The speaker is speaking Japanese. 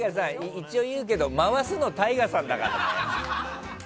一応言うけど回すのＴＡＩＧＡさんだからね。